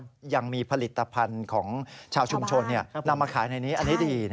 ยังมีผลิตภัณฑ์ของชาวชุมชนนำมาขายในนี้อันนี้ดี